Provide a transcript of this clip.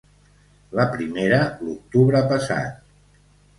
La primera, l’octubre passat.